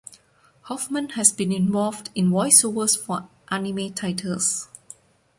Hoffman has been involved in voiceovers for anime titles.